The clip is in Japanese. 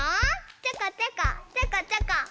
ちょこちょこちょこちょこ。